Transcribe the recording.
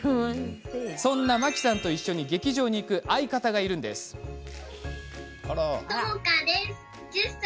そんな真紀さんと一緒に劇場に行く相方がいるとか。